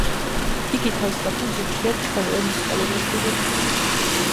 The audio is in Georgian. იგი თავის მანქანაში ხშირად ჩნდებოდა მუსიკალური ესკიზებით.